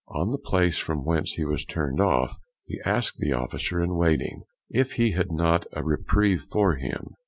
On the place from whence he was turned off, he asked the officer in waiting, "If he had not a reprieve for him?"